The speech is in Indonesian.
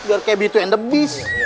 biar kayak gitu yang the beast